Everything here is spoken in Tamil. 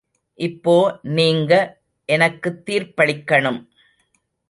இப்போ நீங்க எனக்குத் தீர்ப்பளிக்கணும்.